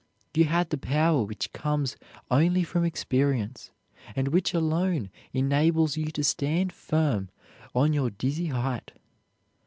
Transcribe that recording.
You had the power which comes only from experience, and which alone enables you to stand firm on your dizzy height.